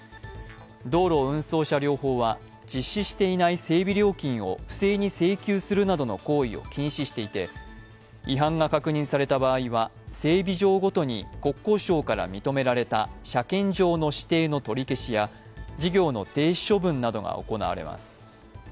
道路運送車両法は実施していない整備料金を不正に請求するなどの行為を禁止していて、違反が確認された場合は、整備場ごとに、国交省から認められた車検場の指定の取り消しや事業の停止処分などが行われます。